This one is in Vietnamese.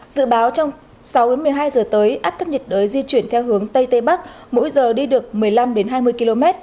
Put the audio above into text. dự báo trong sáu một mươi hai giờ tới áp thấp nhiệt đới di chuyển theo hướng tây tây bắc mỗi giờ đi được một mươi năm hai mươi km